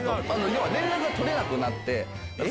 要は連絡が取れなくなって。